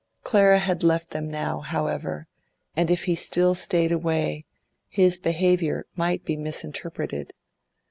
Clara had left them now, however, and if he still stayed away, his behaviour might be misinterpreted.